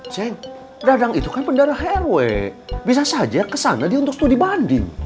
ceng dadang itu kan pendana hr weh bisa saja kesana dia untuk studi banding